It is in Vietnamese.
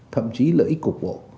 thậm chí lợi ích cục bộ